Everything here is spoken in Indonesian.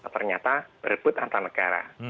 ternyata berebut antar negara